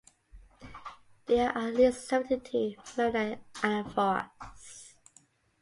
There are at least seventy-two Maronite Anaphoras.